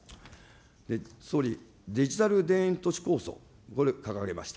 総理、デジタル田園都市構想、これ掲げました。